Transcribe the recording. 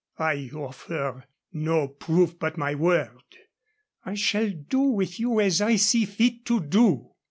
I offer no proof but my word. I shall do with you as I see fit to do."